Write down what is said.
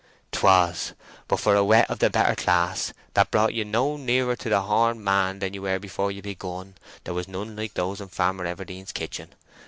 "'Twas. But for a wet of the better class, that brought you no nearer to the horned man than you were afore you begun, there was none like those in Farmer Everdene's kitchen.